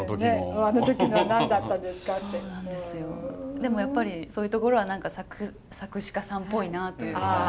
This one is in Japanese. でもやっぱりそういうところは作詞家さんっぽいなっていうのが。